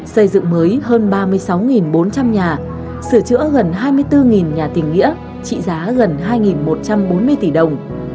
xây dựng mới hơn ba mươi sáu bốn trăm linh nhà sửa chữa gần hai mươi bốn nhà tình nghĩa trị giá gần hai một trăm bốn mươi tỷ đồng